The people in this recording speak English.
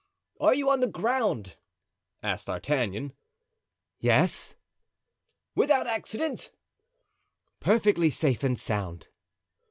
"Are you on the ground?" asked D'Artagnan. "Yes." "Without accident?" "Perfectly safe and sound."